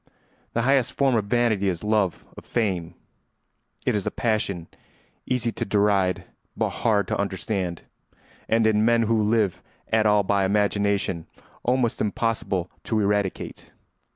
] The highest form of vanity is love of fame. It is a passion easy to deride but hard to understand, and in men who live at all by imagination almost impossible to eradicate.